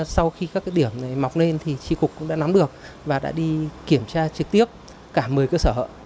sau khi các điểm mọc lên thì tri cục cũng đã nắm được và đã đi kiểm tra trực tiếp cả một mươi cơ sở